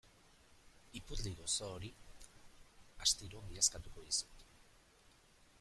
Ipurdi gozo hori astiro miazkatuko dizut.